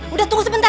udah tunggu sebentar